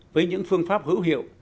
với những phương pháp hữu hiệu